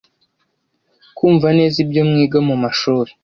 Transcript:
kumva neza ibyo mwiga mu mashuri